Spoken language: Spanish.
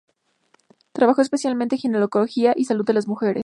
Trabajó especialmente en ginecología y salud de las mujeres.